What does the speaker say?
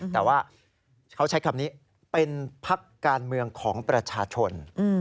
แต่ว่าเขาใช้คำนี้เป็นพักการเมืองของประชาชน